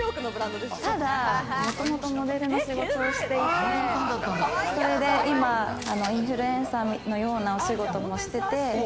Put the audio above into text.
ただ、もともとモデルの仕事をしていて、それで今インフルエンサーのようなお仕事もしてて。